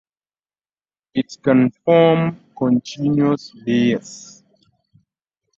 It can form continuous layers.